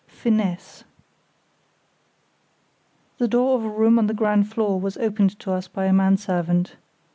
Finesse The door of a room on the ground floor was opened to us by a man servant.